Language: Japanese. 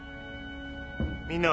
みんなは？